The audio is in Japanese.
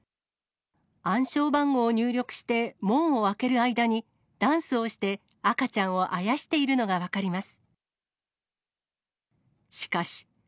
暗証番号を入力して、門を開ける間に、ダンスをして赤ちゃんをあやしているのが分かります。